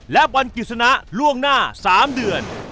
และบอลกิจสนะล่วงหน้า๓เดือน